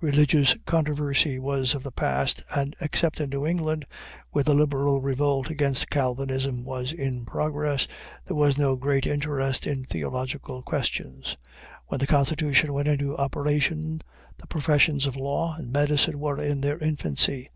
Religious controversy was of the past, and except in New England, where the liberal revolt against Calvinism was in progress, there was no great interest in theological questions. When the Constitution went into operation the professions of law and medicine were in their infancy.